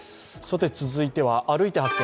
続いては、「歩いて発見！